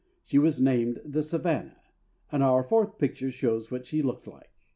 She was named the Savannah, and our fourth picture shows what she looked like.